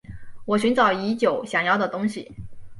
我寻找已久想要的东西